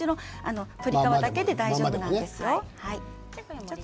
鶏皮だけでも大丈夫ですよ。